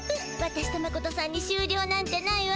私とマコトさんにしゅうりょうなんてないわ。